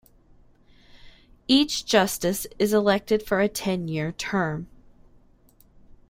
Each justice is elected for a ten-year term.